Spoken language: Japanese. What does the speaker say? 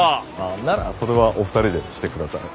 あならそれはお二人でしてください。